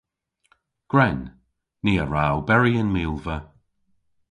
Gwren. Ni a wra oberi yn milva.